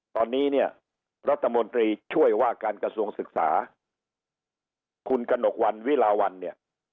ตอนนี้เนี่ยรัฐมนตรีช่วยว่าการกระทรวงศึกษาคุณกระหนกวันวิลาวันเนี่ย